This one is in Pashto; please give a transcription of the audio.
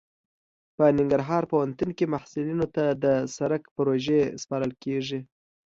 په ننګرهار پوهنتون کې محصلینو ته د سرک پروژې سپارل کیږي